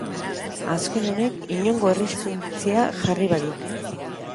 Azken honek inongo erresistentzia jarri barik.